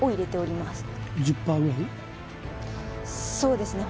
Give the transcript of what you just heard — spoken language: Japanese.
そうですね